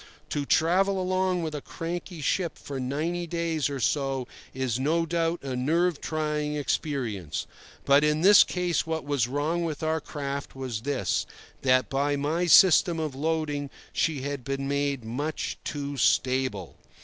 To travel along with a cranky ship for ninety days or so is no doubt a nerve trying experience; but in this case what was wrong with our craft was this: that by my system of loading she had been made much too stable.